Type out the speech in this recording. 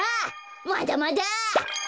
まだまだ！